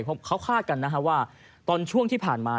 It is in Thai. เพราะเขาคาดกันนะฮะว่าตอนช่วงที่ผ่านมา